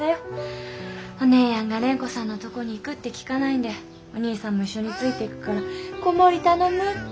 お姉やんが蓮子さんのとこに行くって聞かないんでお義兄さんも一緒についていくから子守頼むって。